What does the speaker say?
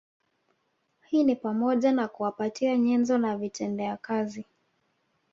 Hii ni pamoja na kuwapatia nyenzo na vitendea kazi